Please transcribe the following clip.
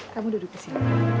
kamu duduk di sini